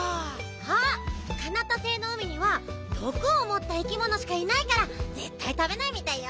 あっカナタ星のうみにはどくをもったいきものしかいないからぜったいたべないみたいよ。